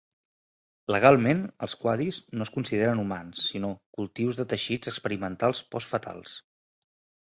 Legalment, els quaddies no es consideren humans, sinó "cultius de teixits experimentals postfetals".